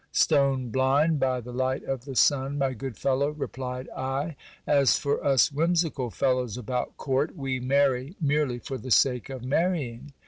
Stone blind, by the light of the sun, my good fellow ! replied I. As for us whimsical fellows about court, we marry merely for the sake of marrying.